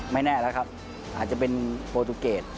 ไม่แน่แล้วครับอาจจะเป็นโปรตูเกต